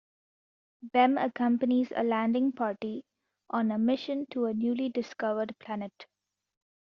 Bem accompanies a landing party on a mission to a newly discovered planet.